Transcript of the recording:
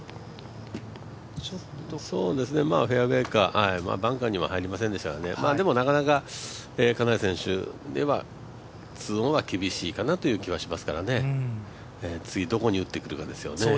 フェアウエーかバンカーには入りませんでしたがでも、なかなか金谷選手、２オンは厳しいかなという気がしますから、次どこに打ってくるかですよね。